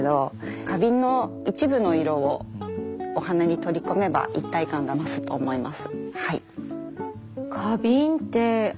花瓶の一部の色をお花に取り込めば一体感が増すと思います。